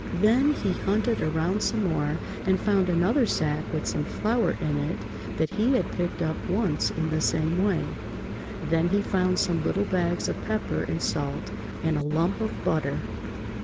Then he hunted around some more and found another sack with some flour in it that he had picked up once in the same way. Then he found some little bags of pepper and salt and a lump of butter.